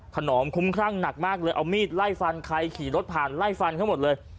ถนอมคุ้มครั่งหนักมากเลยเอามีดไล่ฟันใครขี่รถผ่านไล่ฟันเขาหมดเลย